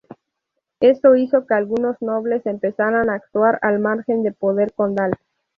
Esto hizo que algunos nobles empezaran a actuar al margen del poder condal.